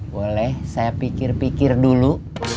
boleh saya pikir pikir dulu